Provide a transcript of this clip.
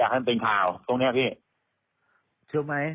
เพราะว่าตอนแรกมีการพูดถึงนิติกรคือฝ่ายกฎหมาย